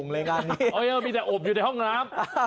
เอ๊ะเอ้ามีแต่โอบอยู่ในห้องน้ำ